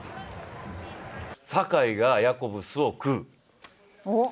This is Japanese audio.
坂井がヤコブスを食う。